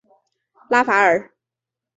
拉法尔。